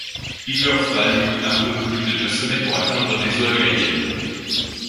Il leur fallut un peu plus de deux semaines pour atteindre les eaux américaines.